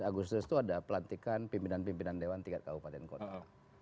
agustus itu ada pelantikan pimpinan pimpinan dewan tingkat kabupaten kota